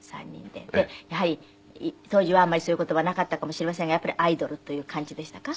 でやはり当時はあんまりそういう事はなかったかもしれませんがやっぱりアイドルという感じでしたか？